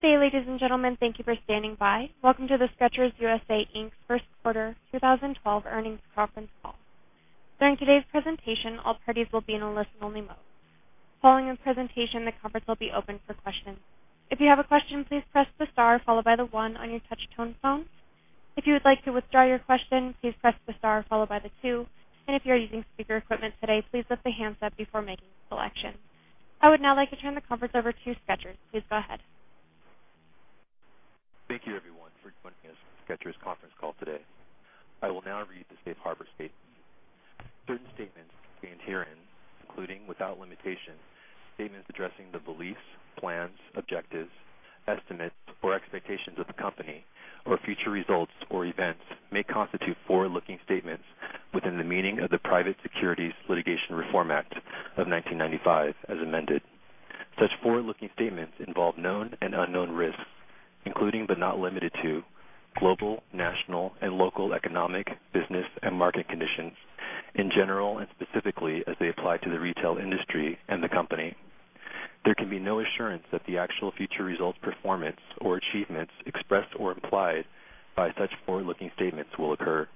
Good day, ladies and gentlemen. Thank you for standing by. Welcome to the Skechers U.S.A., Inc.'s first quarter 2012 earnings conference call. During today's presentation, all parties will be in a listen-only mode. Following the presentation, the conference will be open for questions. If you have a question, please press the star followed by the one on your touch tone phone. If you would like to withdraw your question, please press the star followed by the two, and if you are using speaker equipment today, please lift the handset before making a selection. I would now like to turn the conference over to Skechers. Please go ahead. Thank you, everyone, for joining us for Skechers conference call today. I will now read the safe harbor statement. Certain statements contained herein, including, without limitation, statements addressing the beliefs, plans, objectives, estimates, or expectations of the company or future results or events may constitute forward-looking statements within the meaning of the Private Securities Litigation Reform Act of 1995 as amended. Such forward-looking statements involve known and unknown risks, including but not limited to global, national, and local economic, business, and market conditions in general and specifically as they apply to the retail industry and the company. There can be no assurance that the actual future results, performance, or achievements expressed or implied by such forward-looking statements will occur.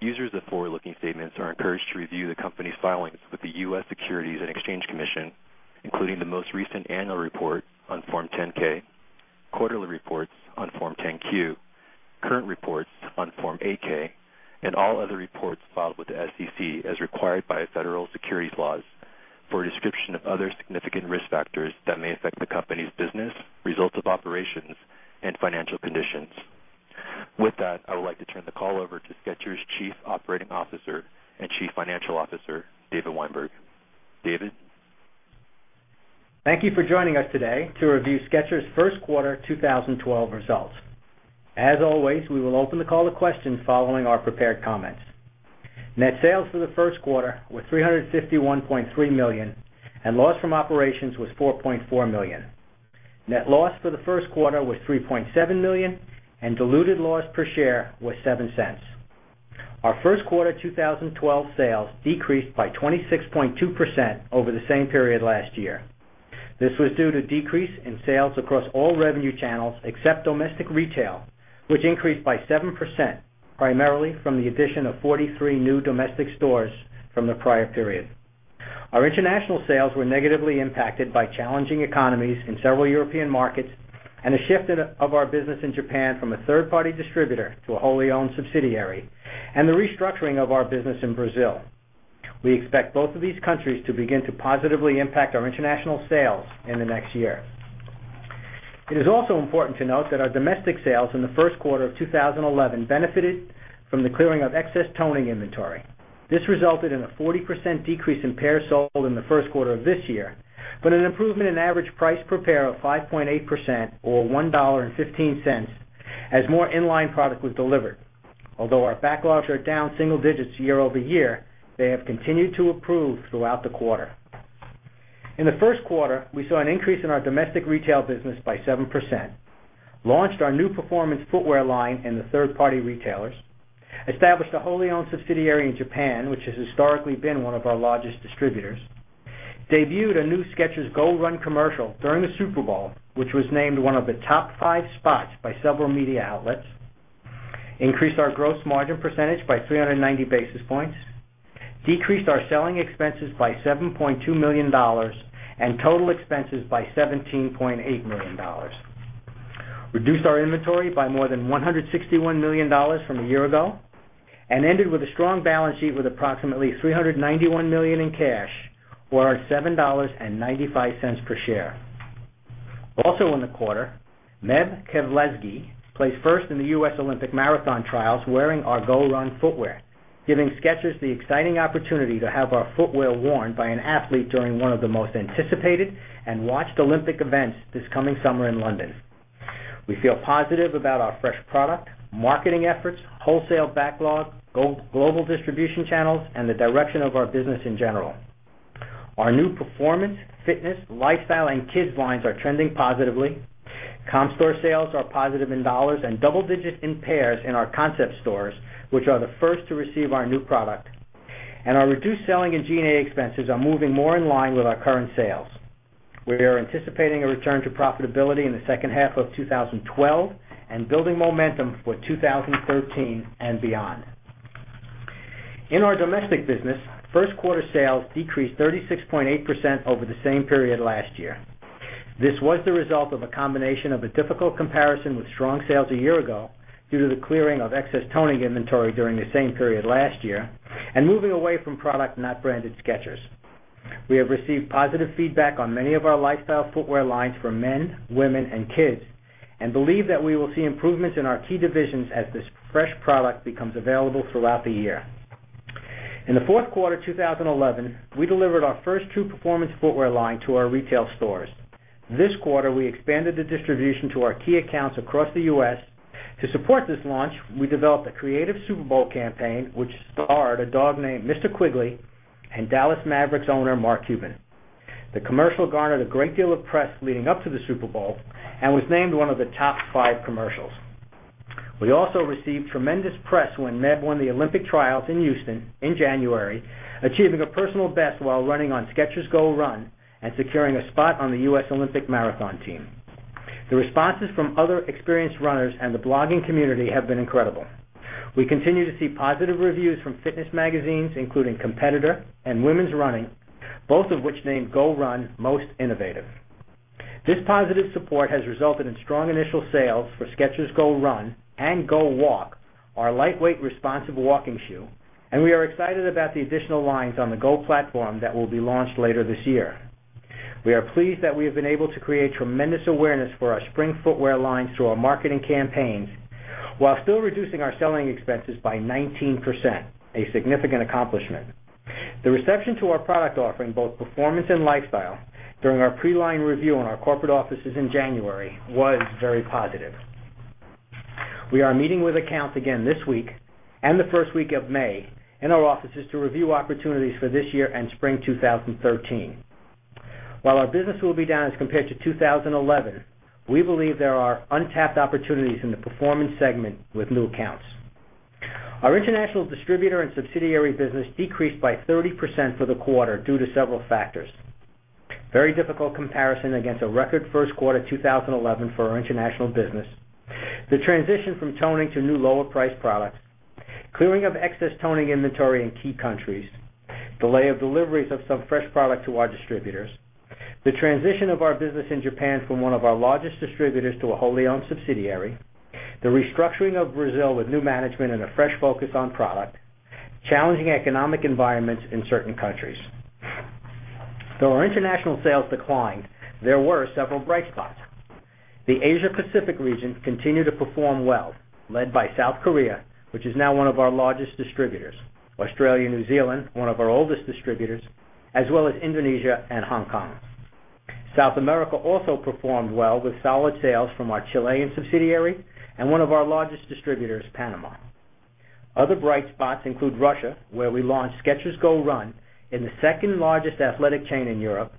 Users of forward-looking statements are encouraged to review the company's filings with the U.S. Securities and Exchange Commission, including the most recent annual report on Form 10-K, quarterly reports on Form 10-Q, current reports on Form 8-K, and all other reports filed with the SEC as required by federal securities laws for a description of other significant risk factors that may affect the company's business, results of operations, and financial conditions. I would like to turn the call over to Skechers Chief Operating Officer and Chief Financial Officer, David Weinberg. David? Thank you for joining us today to review Skechers' first quarter 2012 results. We will open the call to questions following our prepared comments. Net sales for the first quarter were $351.3 million, and loss from operations was $4.4 million. Net loss for the first quarter was $3.7 million, and diluted loss per share was $0.07. Our first quarter 2012 sales decreased by 26.2% over the same period last year. This was due to decrease in sales across all revenue channels except domestic retail, which increased by 7%, primarily from the addition of 43 new domestic stores from the prior period. Our international sales were negatively impacted by challenging economies in several European markets and a shift of our business in Japan from a third-party distributor to a wholly owned subsidiary and the restructuring of our business in Brazil. We expect both of these countries to begin to positively impact our international sales in the next year. It is also important to note that our domestic sales in the first quarter of 2011 benefited from the clearing of excess toning inventory. This resulted in a 40% decrease in pairs sold in the first quarter of this year, but an improvement in average price per pair of 5.8% or $1.15 as more in-line product was delivered. Although our backlogs are down single digits year-over-year, they have continued to improve throughout the quarter. In the first quarter, we saw an increase in our domestic retail business by 7%, launched our new performance footwear line in the third-party retailers, established a wholly owned subsidiary in Japan, which has historically been one of our largest distributors, debuted a new Skechers GO RUN commercial during the Super Bowl, which was named one of the top five spots by several media outlets, increased our gross margin percentage by 390 basis points, decreased our selling expenses by $7.2 million and total expenses by $17.8 million, reduced our inventory by more than $161 million from a year ago and ended with a strong balance sheet with approximately $391 million in cash or $7.95 per share. Also in the quarter, Meb Keflezighi placed first in the U.S. Olympic Marathon Trials wearing our GO RUN footwear, giving Skechers the exciting opportunity to have our footwear worn by an athlete during one of the most anticipated and watched Olympic events this coming summer in London. We feel positive about our fresh product, marketing efforts, wholesale backlog, global distribution channels, and the direction of our business in general. Our new performance, fitness, lifestyle, and kids' lines are trending positively. Comp store sales are positive in dollars and double digits in pairs in our concept stores, which are the first to receive our new product. Our reduced selling and G&A expenses are moving more in line with our current sales. We are anticipating a return to profitability in the second half of 2012 and building momentum for 2013 and beyond. In our domestic business, first quarter sales decreased 36.8% over the same period last year. This was the result of a combination of a difficult comparison with strong sales a year ago due to the clearing of excess toning inventory during the same period last year and moving away from product not branded Skechers. We have received positive feedback on many of our lifestyle footwear lines for men, women, and kids, and believe that we will see improvements in our key divisions as this fresh product becomes available throughout the year. In the fourth quarter 2011, we delivered our first true performance footwear line to our retail stores. This quarter, we expanded the distribution to our key accounts across the U.S. To support this launch, we developed a creative Super Bowl campaign, which starred a dog named Mr. Quigley and Dallas Mavericks owner Mark Cuban. The commercial garnered a great deal of press leading up to the Super Bowl and was named one of the top five commercials. We also received tremendous press when Meb won the Olympic trials in Houston in January, achieving a personal best while running on Skechers GO RUN and securing a spot on the U.S. Olympic marathon team. The responses from other experienced runners and the blogging community have been incredible. We continue to see positive reviews from fitness magazines, including "Competitor" and "Women's Running," both of which named GO RUN Most Innovative. This positive support has resulted in strong initial sales for Skechers GO RUN and GO WALK, our lightweight responsive walking shoe, and we are excited about the additional lines on the GO platform that will be launched later this year. We are pleased that we have been able to create tremendous awareness for our spring footwear lines through our marketing campaigns while still reducing our selling expenses by 19%, a significant accomplishment. The reception to our product offering, both performance and lifestyle, during our pre-line review in our corporate offices in January was very positive. We are meeting with accounts again this week and the first week of May in our offices to review opportunities for this year and spring 2013. While our business will be down as compared to 2011, we believe there are untapped opportunities in the performance segment with new accounts. Our international distributor and subsidiary business decreased by 30% for the quarter due to several factors. Very difficult comparison against a record first quarter 2011 for our international business. The transition from toning to new lower price products. Clearing of excess toning inventory in key countries. Delay of deliveries of some fresh product to our distributors. The transition of our business in Japan from one of our largest distributors to a wholly owned subsidiary. The restructuring of Brazil with new management and a fresh focus on product. Challenging economic environments in certain countries. Though our international sales declined, there were several bright spots. The Asia Pacific region continued to perform well, led by South Korea, which is now one of our largest distributors. Australia, New Zealand, one of our oldest distributors, as well as Indonesia and Hong Kong. South America also performed well with solid sales from our Chilean subsidiary and one of our largest distributors, Panama. Other bright spots include Russia, where we launched Skechers GO RUN in the second-largest athletic chain in Europe,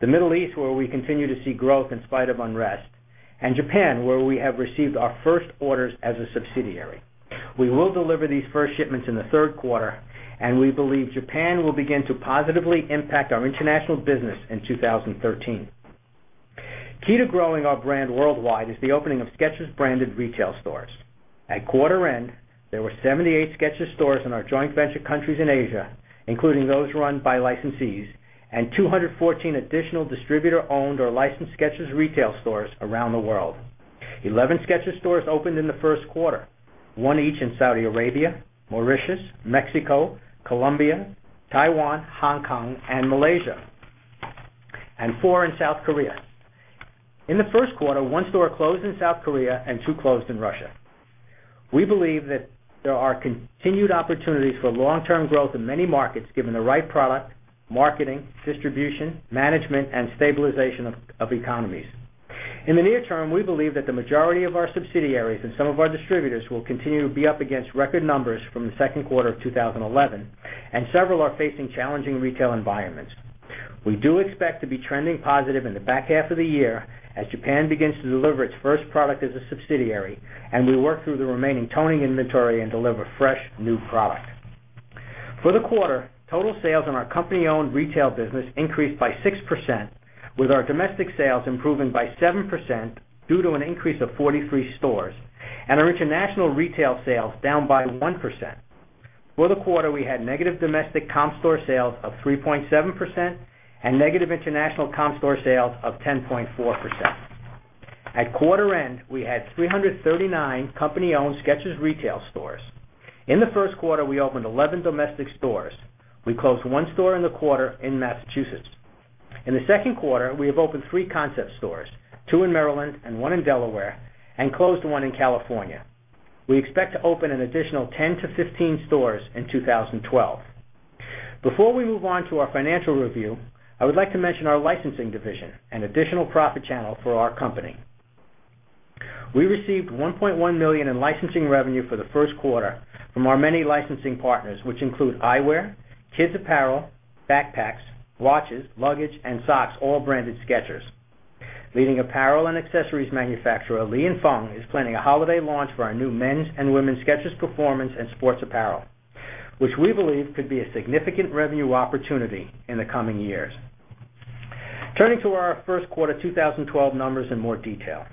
the Middle East where we continue to see growth in spite of unrest, and Japan, where we have received our first orders as a subsidiary. We will deliver these first shipments in the third quarter, and we believe Japan will begin to positively impact our international business in 2013. Key to growing our brand worldwide is the opening of Skechers-branded retail stores. At quarter end, there were 78 Skechers stores in our joint venture countries in Asia, including those run by licensees, and 214 additional distributor-owned or licensed Skechers retail stores around the world. Eleven Skechers stores opened in the first quarter, one each in Saudi Arabia, Mauritius, Mexico, Colombia, Taiwan, Hong Kong, and Malaysia, and four in South Korea. In the first quarter, one store closed in South Korea and two closed in Russia. We believe that there are continued opportunities for long-term growth in many markets, given the right product, marketing, distribution, management, and stabilization of economies. In the near term, we believe that the majority of our subsidiaries and some of our distributors will continue to be up against record numbers from the second quarter of 2011, and several are facing challenging retail environments. We do expect to be trending positive in the back half of the year as Japan begins to deliver its first product as a subsidiary, and we work through the remaining toning inventory and deliver fresh new product. For the quarter, total sales in our company-owned retail business increased by 6%, with our domestic sales improving by 7% due to an increase of 43 stores, and our international retail sales down by 1%. For the quarter, we had negative domestic comp store sales of 3.7% and negative international comp store sales of 10.4%. At quarter end, we had 339 company-owned Skechers retail stores. In the first quarter, we opened 11 domestic stores. We closed one store in the quarter in Massachusetts. In the second quarter, we have opened three concept stores, two in Maryland and one in Delaware, and closed one in California. We expect to open an additional 10 to 15 stores in 2012. Before we move on to our financial review, I would like to mention our licensing division, an additional profit channel for our company. We received $1.1 million in licensing revenue for the first quarter from our many licensing partners, which include eyewear, kids apparel, backpacks, watches, luggage, and socks, all branded Skechers. Leading apparel and accessories manufacturer Li & Fung is planning a holiday launch for our new men's and women's Skechers Performance and sports apparel, which we believe could be a significant revenue opportunity in the coming years. Turning to our first quarter 2012 numbers in more detail.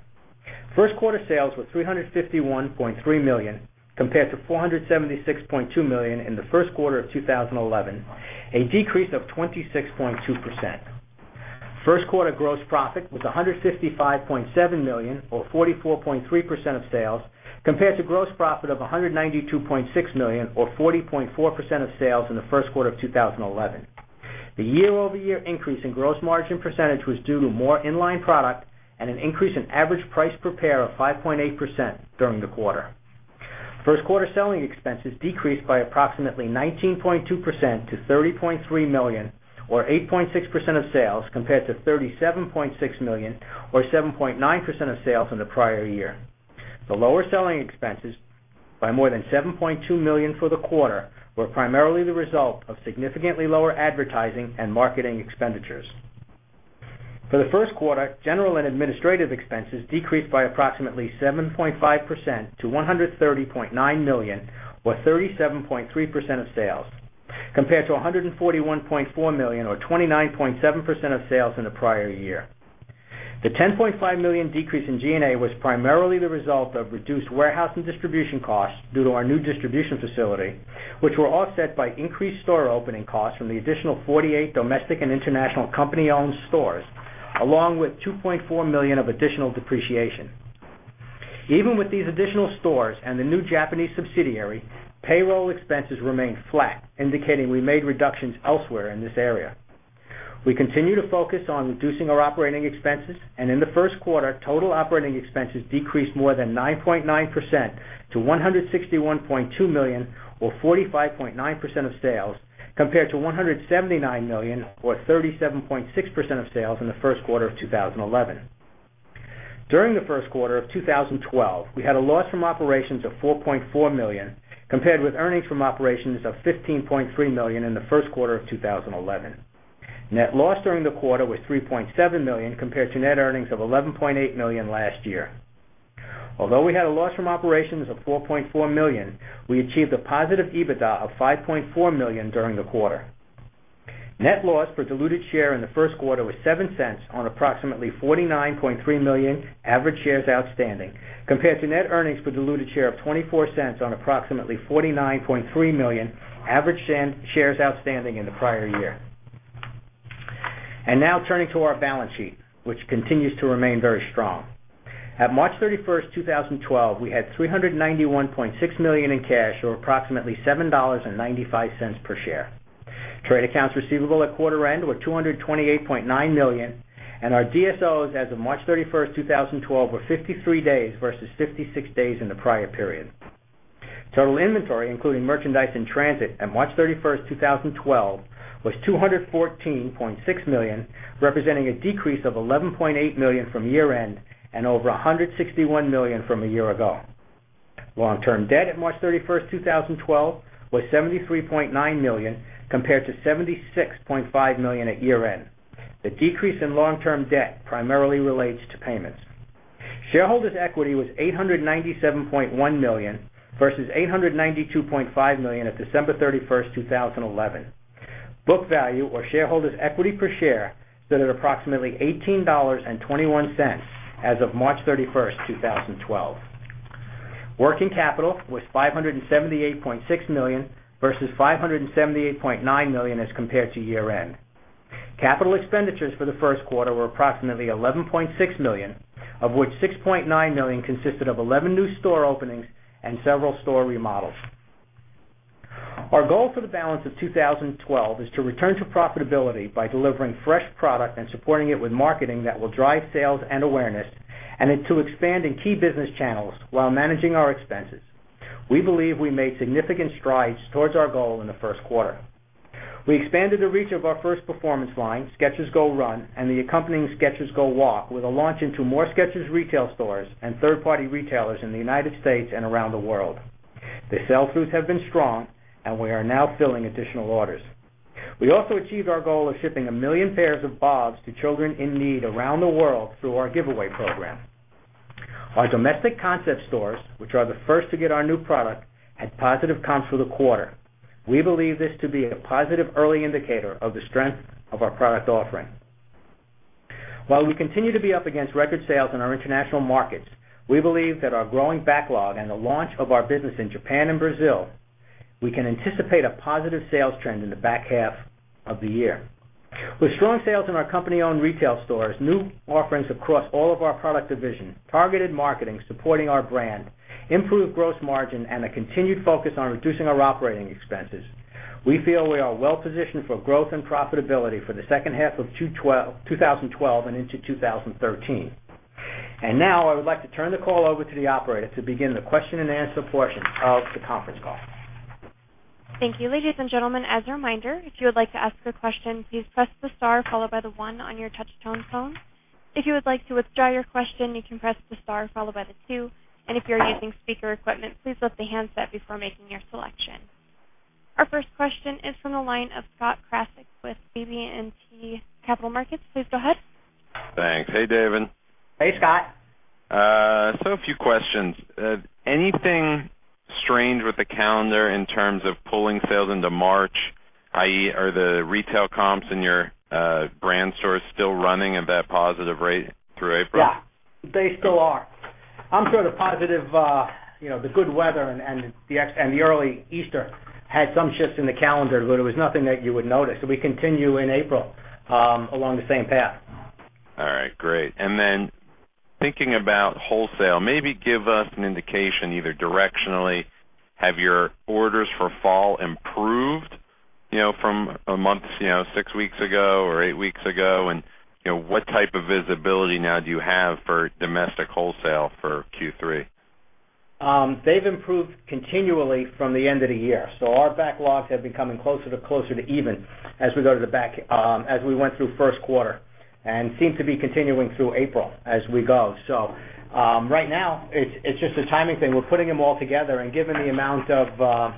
First quarter sales was $351.3 million, compared to $476.2 million in the first quarter of 2011, a decrease of 26.2%. First quarter gross profit was $155.7 million, or 44.3% of sales, compared to gross profit of $192.6 million, or 40.4% of sales in the first quarter of 2011. The year-over-year increase in gross margin percentage was due to more in-line product and an increase in average price per pair of 5.8% during the quarter. First quarter selling expenses decreased by approximately 19.2% to $30.3 million, or 8.6% of sales, compared to $37.6 million, or 7.9% of sales in the prior year. The lower selling expenses by more than $7.2 million for the quarter were primarily the result of significantly lower advertising and marketing expenditures. For the first quarter, general and administrative expenses decreased by approximately 7.5% to $130.9 million, or 37.3% of sales, compared to $141.4 million or 29.7% of sales in the prior year. The $10.5 million decrease in G&A was primarily the result of reduced warehouse and distribution costs due to our new distribution facility, which were offset by increased store opening costs from the additional 48 domestic and international company-owned stores, along with $2.4 million of additional depreciation. Even with these additional stores and the new Japanese subsidiary, payroll expenses remained flat, indicating we made reductions elsewhere in this area. We continue to focus on reducing our operating expenses. In the first quarter, total operating expenses decreased more than 9.9% to $161.2 million or 45.9% of sales, compared to $179 million or 37.6% of sales in the first quarter of 2011. During the first quarter of 2012, we had a loss from operations of $4.4 million, compared with earnings from operations of $15.3 million in the first quarter of 2011. Net loss during the quarter was $3.7 million, compared to net earnings of $11.8 million last year. Although we had a loss from operations of $4.4 million, we achieved a positive EBITDA of $5.4 million during the quarter. Net loss per diluted share in the first quarter was $0.07 on approximately 49.3 million average shares outstanding, compared to net earnings per diluted share of $0.24 on approximately 49.3 million average shares outstanding in the prior year. Now turning to our balance sheet, which continues to remain very strong. At March 31st, 2012, we had $391.6 million in cash, or approximately $7.95 per share. Trade accounts receivable at quarter end were $228.9 million, and our DSOs as of March 31st, 2012, were 53 days versus 56 days in the prior period. Total inventory, including merchandise in transit at March 31st, 2012, was $214.6 million, representing a decrease of $11.8 million from year-end and over $161 million from a year ago. Long-term debt at March 31st, 2012, was $73.9 million, compared to $76.5 million at year-end. The decrease in long-term debt primarily relates to payments. Shareholders' equity was $897.1 million, versus $892.5 million at December 31st, 2011. Book value or shareholders' equity per share stood at approximately $18.21 as of March 31st, 2012. Working capital was $578.6 million versus $578.9 million as compared to year end. Capital expenditures for the first quarter were approximately $11.6 million, of which $6.9 million consisted of 11 new store openings and several store remodels. Our goal for the balance of 2012 is to return to profitability by delivering fresh product and supporting it with marketing that will drive sales and awareness to expand in key business channels while managing our expenses. We believe we made significant strides towards our goal in the first quarter. We expanded the reach of our first performance line, Skechers GO RUN, and the accompanying Skechers GO WALK with a launch into more Skechers retail stores and third-party retailers in the U.S. and around the world. The sell-throughs have been strong. We are now filling additional orders. We also achieved our goal of shipping a million pairs of BOBS to children in need around the world through our giveaway program. Our domestic concept stores, which are the first to get our new product, had positive comps for the quarter. While we continue to be up against record sales in our international markets, we believe that our growing backlog and the launch of our business in Japan and Brazil, we can anticipate a positive sales trend in the back half of the year. With strong sales in our company-owned retail stores, new offerings across all of our product divisions, targeted marketing supporting our brand, improved gross margin, and a continued focus on reducing our operating expenses, we feel we are well positioned for growth and profitability for the second half of 2012 and into 2013. Now I would like to turn the call over to the operator to begin the question and answer portion of the conference call. Thank you. Ladies and gentlemen, as a reminder, if you would like to ask a question, please press the star followed by the one on your touch-tone phone. If you would like to withdraw your question, you can press the star followed by the two, and if you are using speaker equipment, please lift the handset before making your selection. Our first question is from the line of Scott Krasik with BB&T Capital Markets. Please go ahead. Hey, Scott. A few questions. Anything strange with the calendar in terms of pulling sales into March, i.e., are the retail comps in your brand stores still running at that positive rate through April? Yeah. They still are. I'm sure the positive, the good weather and the early Easter had some shifts in the calendar, but it was nothing that you would notice. We continue in April along the same path. All right, great. Thinking about wholesale, maybe give us an indication, either directionally, have your orders for fall improved from a month, six weeks ago or eight weeks ago, and what type of visibility now do you have for domestic wholesale for Q3? They've improved continually from the end of the year. Our backlogs have been coming closer to even as we went through first quarter and seem to be continuing through April as we go. Right now it's just a timing thing. We're putting them all together and given the amount of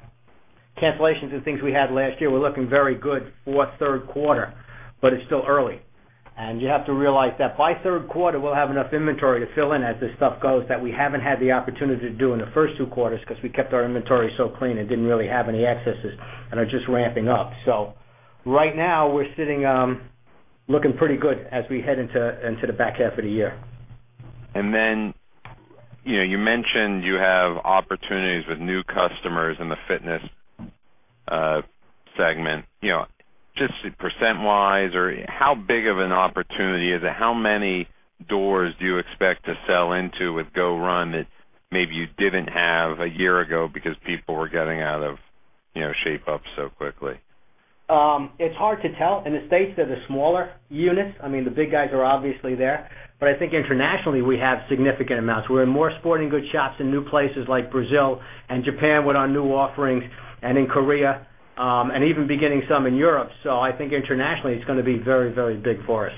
cancellations and things we had last year. We're looking very good for third quarter, but it's still early. You have to realize that by third quarter, we'll have enough inventory to fill in as this stuff goes that we haven't had the opportunity to do in the first two quarters because we kept our inventory so clean and didn't really have any excesses, and are just ramping up. Right now, we're sitting, looking pretty good as we head into the back half of the year. You mentioned you have opportunities with new customers in the fitness segment. Just percent-wise, or how big of an opportunity is it? How many doors do you expect to sell into with GO RUN that maybe you didn't have a year ago because people were getting out of Shape-ups so quickly? It's hard to tell. In the U.S., they're the smaller units. I mean, the big guys are obviously there. I think internationally, we have significant amounts. We're in more sporting goods shops in new places like Brazil and Japan with our new offerings, and in Korea, and even beginning some in Europe. I think internationally, it's going to be very big for us.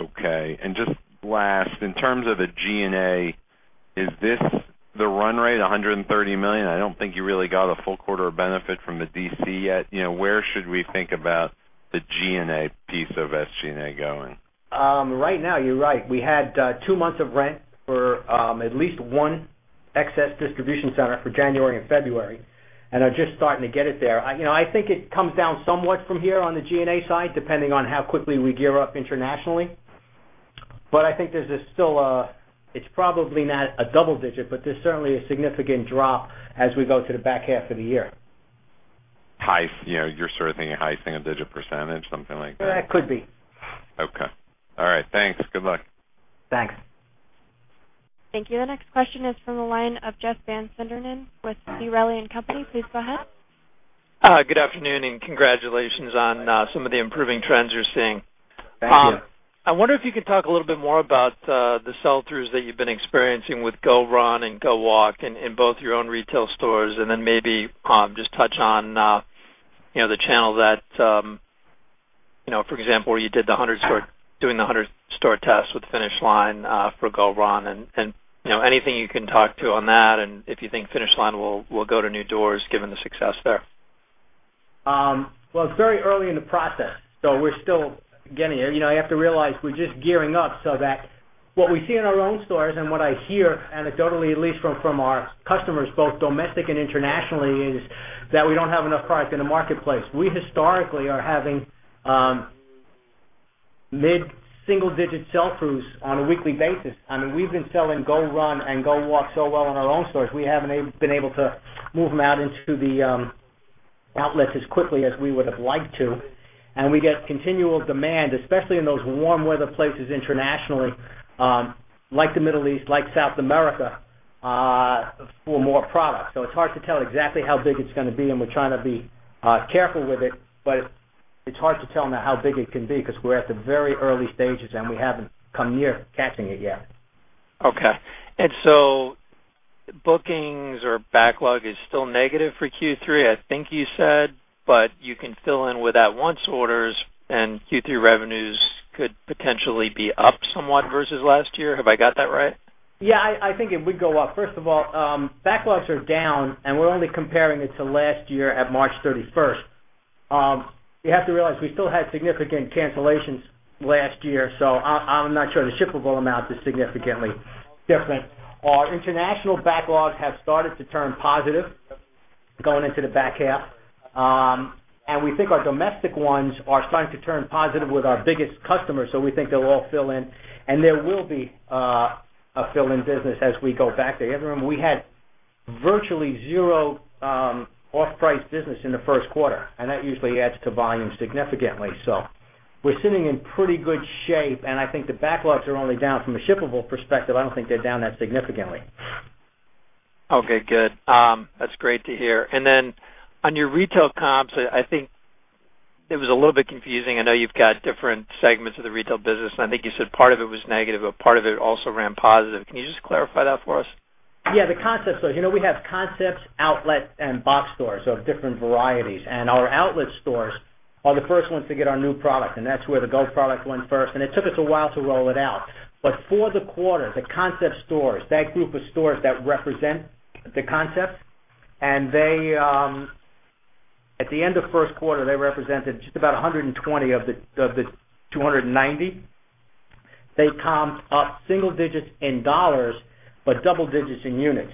Okay. Just last, in terms of the G&A, is this the run rate, $130 million? I don't think you really got a full quarter of benefit from the DC yet. Where should we think about the G&A piece of SG&A going? Right now, you're right. We had two months of rent for at least one excess distribution center for January and February, and are just starting to get it there. I think it comes down somewhat from here on the G&A side, depending on how quickly we gear up internationally. But I think there's still, it's probably not a double-digit, but there's certainly a significant drop as we go to the back half of the year. You're sort of thinking a high single-digit %, something like that? That could be. Okay. All right, thanks. Good luck. Thanks. Thank you. The next question is from the line of Jeff Van Sinderen with B. Riley & Co.. Please go ahead. Good afternoon. Congratulations on some of the improving trends you're seeing. Thank you. I wonder if you could talk a little bit more about the sell-throughs that you've been experiencing with GO RUN and GO WALK in both your own retail stores, and then maybe just touch on the channel that, for example, where you did the 100 store tests with Finish Line for GO RUN and anything you can talk to on that, and if you think Finish Line will go to new doors given the success there. Well, it's very early in the process, so we're still getting there. You have to realize we're just gearing up so that what we see in our own stores and what I hear anecdotally, at least, from our customers, both domestic and internationally, is that we don't have enough product in the marketplace. We historically are having mid-single digit sell-throughs on a weekly basis. I mean, we've been selling GO RUN and GO WALK so well in our own stores, we haven't been able to move them out into the outlets as quickly as we would have liked to. We get continual demand, especially in those warm weather places internationally, like the Middle East, like South America, for more product. It's hard to tell exactly how big it's going to be, and we're trying to be careful with it. It's hard to tell now how big it can be because we're at the very early stages, and we haven't come near catching it yet. Okay. Bookings or backlog is still negative for Q3, I think you said, but you can fill in with at-once orders, Q3 revenues could potentially be up somewhat versus last year. Have I got that right? Yeah, I think it would go up. First of all, backlogs are down, and we're only comparing it to last year at March 31st. You have to realize we still had significant cancellations last year, so I'm not sure the shippable amount is significantly different. Our international backlogs have started to turn positive going into the back half. We think our domestic ones are starting to turn positive with our biggest customers, so we think they'll all fill in, and there will be a fill-in business as we go back there. We had virtually zero off-price business in the first quarter, and that usually adds to volume significantly. We're sitting in pretty good shape, and I think the backlogs are only down from a shippable perspective. I don't think they're down that significantly. Okay, good. That's great to hear. Then on your retail comps, I think it was a little bit confusing. I know you've got different segments of the retail business, and I think you said part of it was negative, but part of it also ran positive. Can you just clarify that for us? Yeah, the concept stores. We have concepts, outlet, and box stores of different varieties. Our outlet stores are the first ones to get our new product, and that's where the GO product went first, and it took us a while to roll it out. For the quarter, the concept stores, that group of stores that represent the concept, at the end of first quarter, they represented just about 120 of the 290. They comped up single digits in dollars, but double digits in units.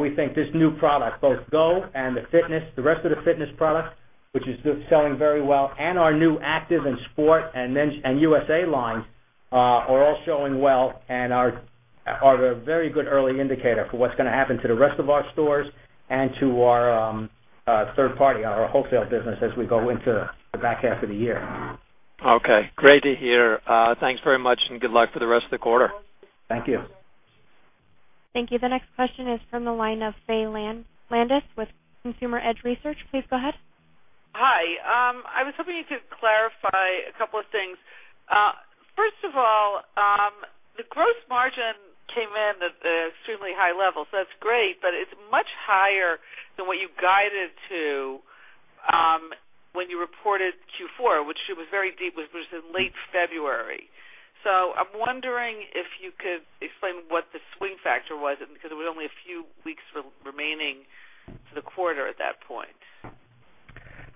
We think this new product, both GO and the fitness, the rest of the fitness product, which is selling very well, and our new Active and Sport and USA lines are all showing well and are a very good early indicator for what's going to happen to the rest of our stores and to our third party, our wholesale business, as we go into the back half of the year. Okay. Great to hear. Thanks very much, and good luck for the rest of the quarter. Thank you. Thank you. The next question is from the line of Faye Landis with Consumer Edge Research. Please go ahead. Hi. I was hoping you could clarify a couple of things. First of all, the gross margin came in at extremely high levels. That's great, but it's much higher than what you guided to when you reported Q4, which was very deep. It was in late February. I'm wondering if you could explain what the swing factor was, because it was only a few weeks remaining for the quarter at that point.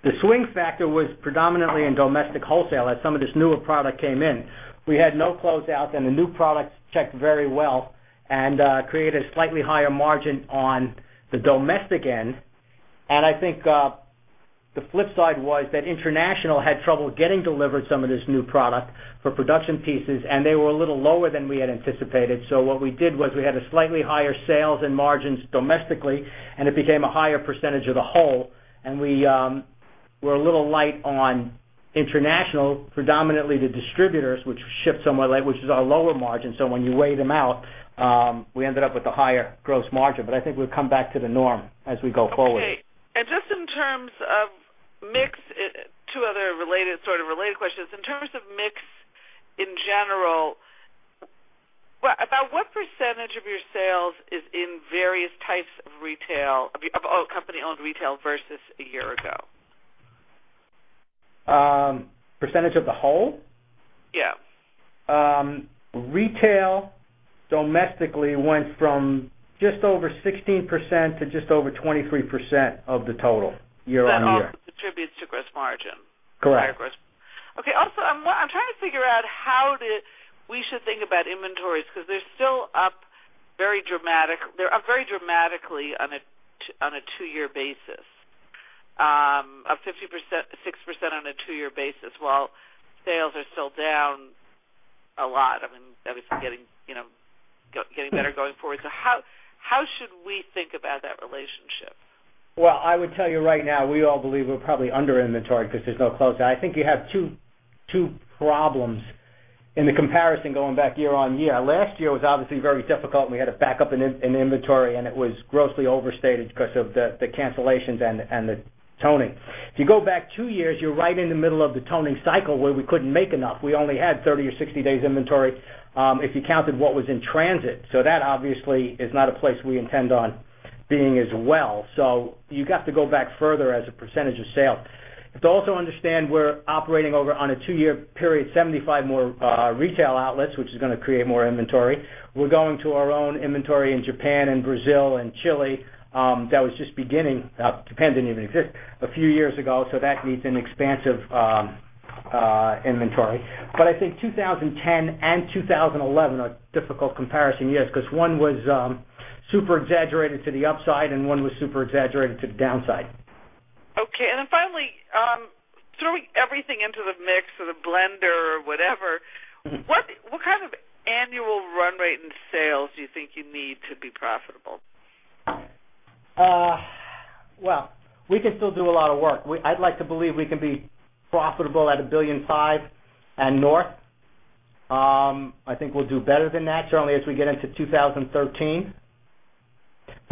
The swing factor was predominantly in domestic wholesale as some of this newer product came in. We had no closeouts. The new products checked very well and created a slightly higher margin on the domestic end. I think the flip side was that international had trouble getting delivered some of this new product for production pieces, and they were a little lower than we had anticipated. What we did was we had slightly higher sales and margins domestically, and it became a higher % of the whole. We were a little light on international, predominantly the distributors, which ship somewhat, which is our lower margin. When you weigh them out, we ended up with a higher gross margin. I think we'll come back to the norm as we go forward. Okay. Two other sort of related questions. In terms of mix in general, about what % of your sales is in various types of company-owned retail versus a year ago? % of the whole? Yeah. Retail domestically went from just over 16% to just over 23% of the total year-on-year. That also contributes to gross margin. Correct. Okay. I'm trying to figure out how we should think about inventories, because they're still up very dramatically on a two-year basis. Up 56% on a two-year basis, while sales are still down a lot. Obviously, getting better going forward. How should we think about that relationship? Well, I would tell you right now, we all believe we're probably under inventoried because there's no close. I think you have two problems in the comparison going back year-on-year. Last year was obviously very difficult, and we had a backup in inventory, and it was grossly overstated because of the cancellations and the toning. If you go back two years, you're right in the middle of the toning cycle where we couldn't make enough. We only had 30 or 60 days inventory if you counted what was in transit. That obviously is not a place we intend on being as well. You've got to go back further as a percentage of sale. You have to also understand we're operating over, on a two-year period, 75 more retail outlets, which is going to create more inventory. We're going to our own inventory in Japan and Brazil and Chile. That was just beginning. Japan didn't even exist a few years ago, so that needs an expansive inventory. I think 2010 and 2011 are difficult comparison years because one was super exaggerated to the upside and one was super exaggerated to the downside. Okay. Finally, throwing everything into the mix or the blender or whatever, what kind of annual run rate in sales do you think you need to be profitable? Well, we can still do a lot of work. I'd like to believe we can be profitable at a billion and five and north. I think we'll do better than that, certainly as we get into 2013.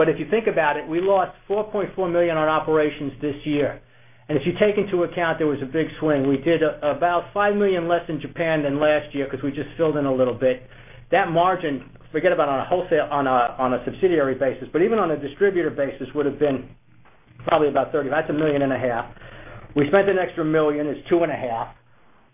If you think about it, we lost $4.4 million on operations this year. If you take into account there was a big swing. We did about $5 million less in Japan than last year because we just filled in a little bit. That margin, forget about on a subsidiary basis, but even on a distributor basis, would have been probably about 30. That's a million and a half. We spent an extra $1 million. It's two and a half.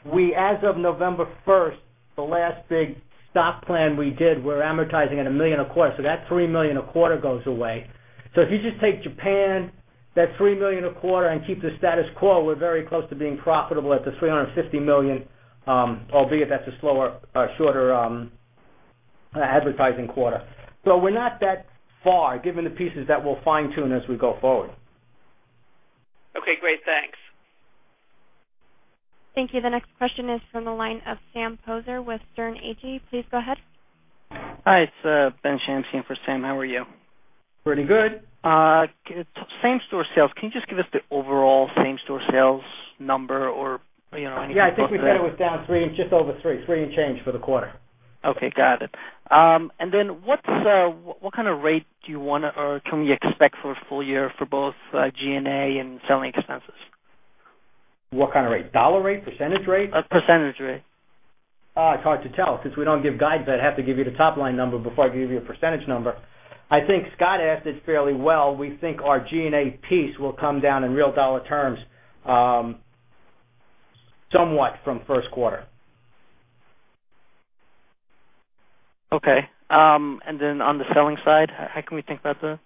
As of November 1st, the last big stock plan we did, we're amortizing at $1 million a quarter. That's $3 million a quarter goes away. If you just take Japan, that $3 million a quarter, and keep the status quo, we're very close to being profitable at the $350 million, albeit that's a slower, shorter advertising quarter. We're not that far, given the pieces that we'll fine-tune as we go forward. Okay, great. Thanks. Thank you. The next question is from the line of Sam Poser with Sterne Agee. Please go ahead. Hi, it's Ben Shamsi in for Sam. How are you? Pretty good. Same store sales. Can you just give us the overall same store sales number or anything about that? Yeah, I think we said it was down three, just over three. Three and change for the quarter. Okay, got it. What kind of rate do you want or can we expect for a full year for both G&A and selling expenses? What kind of rate? Dollar rate? Percentage rate? Percentage rate. It's hard to tell. Since we don't give guides, I'd have to give you the top-line number before I give you a percentage number. I think Scott asked it fairly well. We think our G&A piece will come down in real dollar terms somewhat from the first quarter. Okay. On the selling side, how can we think about that?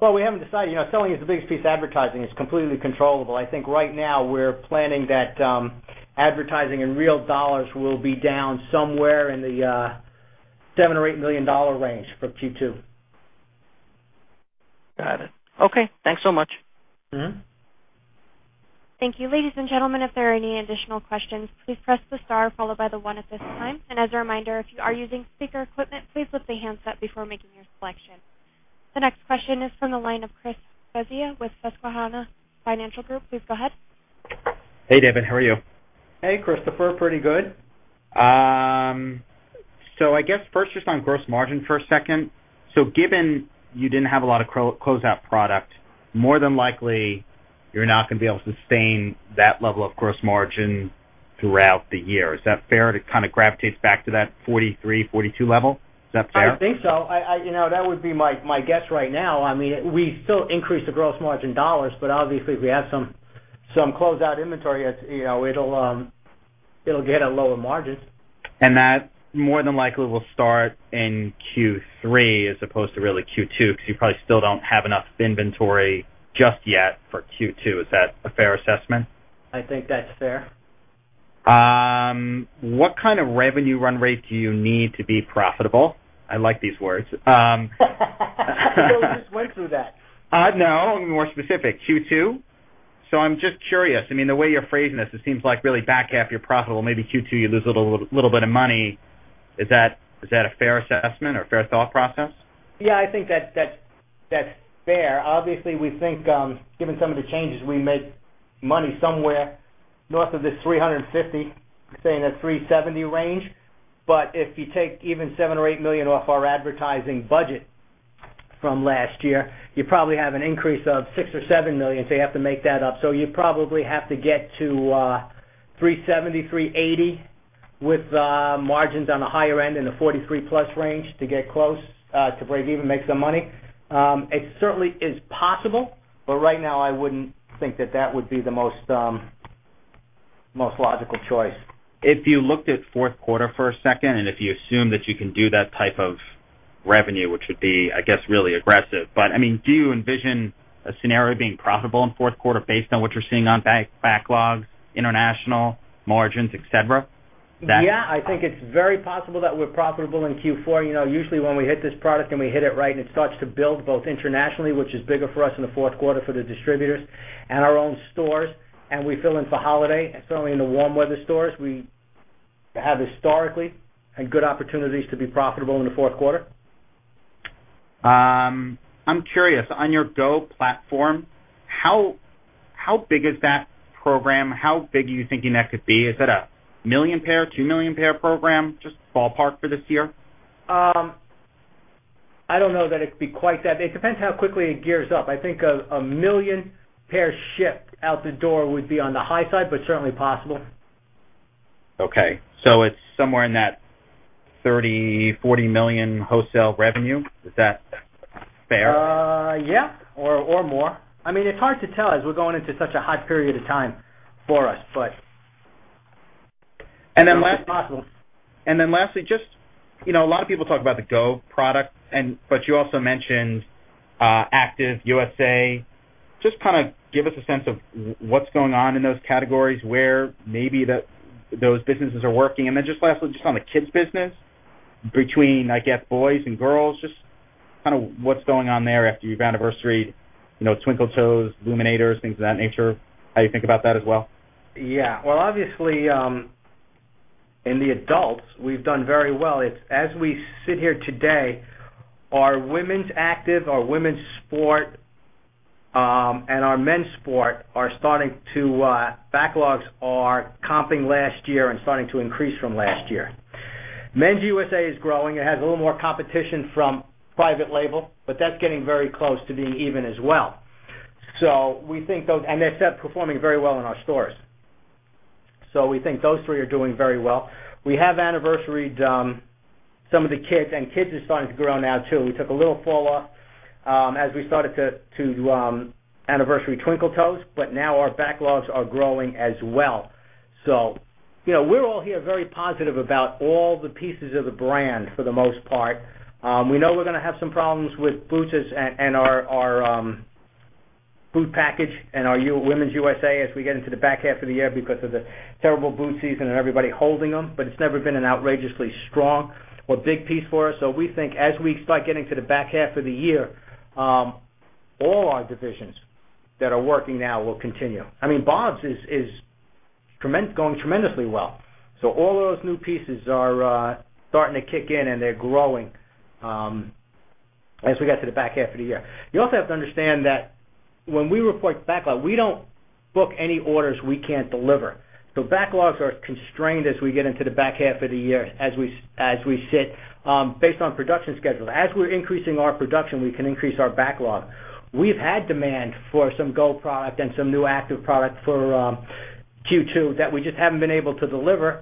Well, we haven't decided. Selling is the biggest piece of advertising. It's completely controllable. I think right now we're planning that advertising in real dollars will be down somewhere in the $7 or $8 million range for Q2. Got it. Okay. Thanks so much. Thank you. Ladies and gentlemen, if there are any additional questions, please press the star followed by the one at this time. As a reminder, if you are using speaker equipment, please lift the handset before making your selection. The next question is from the line of Christopher Svezia with Susquehanna Financial Group. Please go ahead. Hey, David, how are you? Hey, Christopher. Pretty good. I guess first, just on gross margin for a second. Given you didn't have a lot of closeout product, more than likely you're not going to be able to sustain that level of gross margin Throughout the year. Is that fair, to kind of gravitates back to that 43, 42 level? Is that fair? I think so. That would be my guess right now. We still increase the gross margin dollars, but obviously, if we have some closeout inventory, it'll get a lower margin. That more than likely will start in Q3 as opposed to really Q2, because you probably still don't have enough inventory just yet for Q2. Is that a fair assessment? I think that's fair. What kind of revenue run rate do you need to be profitable? I like these words. I thought we just went through that. No, more specific. Q2. I'm just curious. The way you're phrasing this, it seems like really back half, you're profitable, maybe Q2, you lose a little bit of money. Is that a fair assessment or fair thought process? I think that's fair. Obviously, we think, given some of the changes, we made money somewhere north of the 350, say in the 370 range. If you take even $7 million or $8 million off our advertising budget from last year, you probably have an increase of $6 million or $7 million, you have to make that up. You probably have to get to 370, 380 with margins on the higher end in the 43 plus range to get close to break even, make some money. It certainly is possible, but right now I wouldn't think that that would be the most logical choice. If you looked at fourth quarter for a second, if you assume that you can do that type of revenue, which would be, I guess, really aggressive. Do you envision a scenario being profitable in fourth quarter based on what you're seeing on backlogs, international, margins, et cetera? Yeah, I think it's very possible that we're profitable in Q4. Usually, when we hit this product and we hit it right and it starts to build both internationally, which is bigger for us in the fourth quarter for the distributors and our own stores, and we fill in for holiday, and certainly in the warm weather stores, we have historically had good opportunities to be profitable in the fourth quarter. I'm curious, on your GO platform, how big is that program? How big are you thinking that could be? Is it a 1 million pair, 2 million pair program? Just ballpark for this year. I don't know that it'd be quite that. It depends how quickly it gears up. I think a million pair shipped out the door would be on the high side, but certainly possible. Okay. It's somewhere in that $30 million-$40 million wholesale revenue. Is that fair? Yeah, or more. It's hard to tell as we're going into such a hot period of time for us, but it's possible. Lastly, a lot of people talk about the Go product, but you also mentioned Skechers Active. Just kind of give us a sense of what's going on in those categories, where maybe those businesses are working. Lastly, just on the kids business, between, I guess, boys and girls, just kind of what's going on there after you've anniversaried Twinkle Toes, Luminators, things of that nature, how you think about that as well. Yeah. Well, obviously, in the adults, we've done very well. As we sit here today, our women's Active, our women's sport, and our men's sport are backlogs are comping last year and starting to increase from last year. Men's USA is growing. It has a little more competition from private label, that's getting very close to being even as well. And they're performing very well in our stores. We think those three are doing very well. We have anniversaried some of the kids, and kids is starting to grow now, too. We took a little fall off as we started to anniversary Twinkle Toes, now our backlogs are growing as well. We're all here very positive about all the pieces of the brand for the most part. We know we're going to have some problems with boots and our boot package and our Women's USA as we get into the back half of the year because of the terrible boot season and everybody holding them, it's never been an outrageously strong or big piece for us. We think as we start getting to the back half of the year, all our divisions that are working now will continue. I mean, BOBS is going tremendously well. All of those new pieces are starting to kick in, and they're growing as we get to the back half of the year. You also have to understand that when we report backlog, we don't book any orders we can't deliver. Backlogs are constrained as we get into the back half of the year, as we sit based on production schedule. As we're increasing our production, we can increase our backlog. We've had demand for some GO product and some new Active product for Q2 that we just haven't been able to deliver,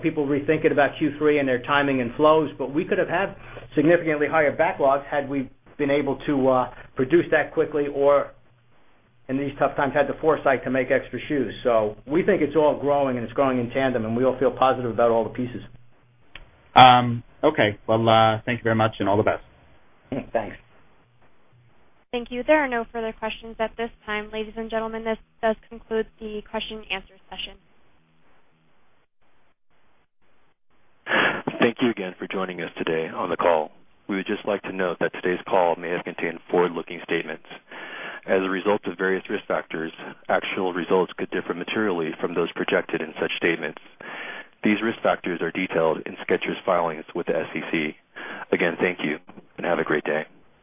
people rethinking about Q3 and their timing and flows. We could have had significantly higher backlogs had we been able to produce that quickly or, in these tough times, had the foresight to make extra shoes. We think it's all growing and it's growing in tandem, and we all feel positive about all the pieces. Okay. Well, thank you very much, and all the best. Thanks. Thank you. There are no further questions at this time. Ladies and gentlemen, this does conclude the question and answer session. Thank you again for joining us today on the call. We would just like to note that today's call may have contained forward-looking statements. As a result of various risk factors, actual results could differ materially from those projected in such statements. These risk factors are detailed in Skechers' filings with the SEC. Again, thank you, and have a great day.